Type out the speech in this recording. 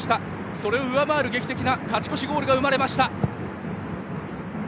それを上回る、劇的な勝ち越しゴールが生まれました。